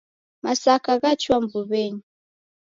Masaka ghachua mbuw'enyi.